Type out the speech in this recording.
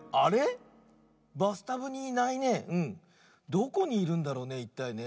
どこにいるんだろうねいったいね。